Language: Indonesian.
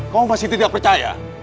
kamu masih tidak percaya